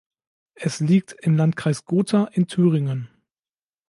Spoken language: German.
Es liegt im Landkreis Gotha in Thüringen.